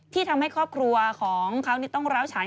ที่ทำให้ครอบครัวของเขาต้องร้าวฉาย